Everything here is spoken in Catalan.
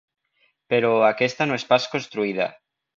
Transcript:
Però aquesta no és pas construïda.